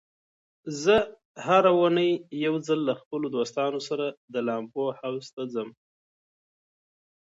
زه هره اونۍ یو ځل له خپلو دوستانو سره د لامبو حوض ته ځم.